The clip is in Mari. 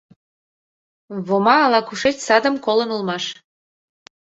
Вома ала-кушеч садым колын улмаш.